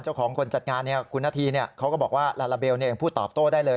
เจ้าของคนจัดงานเนี่ยคุณหน้าทีเนี่ยเขาก็บอกว่าลาลาเบลเนี่ยพูดตอบโตได้เลย